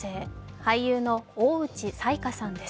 俳優の大内彩加さんです。